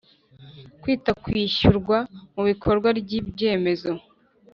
Kwita ku ishyirwa mu bikorwa ry ibyemezo